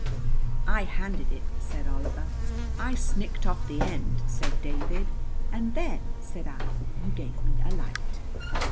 "I handed it," said Oliver. "I snicked off the end," said David. "And then," said I, "you gave me a light."